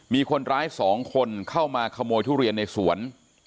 มีคนร้าย๒คนเข้ามาขโมยทุเรียนในสวน